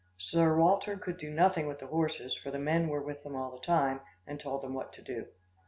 Sir Walter could do nothing with the horses, for the men were with them all the time, and told them what to do.